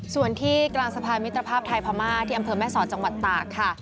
ส่วนที่กลางสะพานมิตรภาพไทยพม่าที่อำเภอแม่สอดจังหวัดตากค่ะ